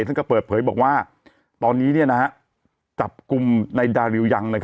ท่านก็เปิดเผยบอกว่าตอนนี้จับกลุ่มในดาริวยัง